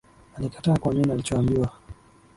Alikataa kuamini alichoambiwa